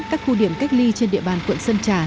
các khu điểm cách ly trên địa bàn quận sơn trà